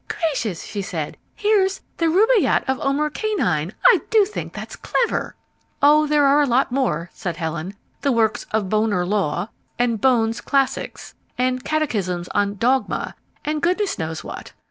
"Gracious!" she said, "here's 'The Rubaiyat of Omar Canine.' I do think that's clever!" "Oh, there are a lot more," said Helen. "The works of Bonar Law, and Bohn's 'Classics,' and 'Catechisms on Dogma' and goodness knows what.